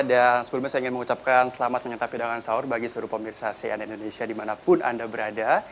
dan sebelumnya saya ingin mengucapkan selamat mengetahui dengan sahur bagi seluruh pemirsa cnn indonesia dimanapun anda berada